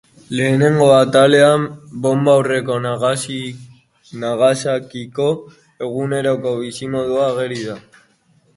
Lehenengo atalean Bonba aurreko Nagasakiko eguneroko bizimodua ageri da.